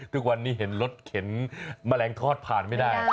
ทุกวันนี้เห็นรถเข็นแมลงทอดผ่านไม่ได้